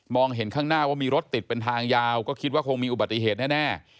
เห็นข้างหน้าว่ามีรถติดเป็นทางยาวก็คิดว่าคงมีอุบัติเหตุแน่